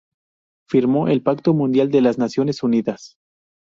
Firmó el Pacto Mundial de las Naciones Unidas.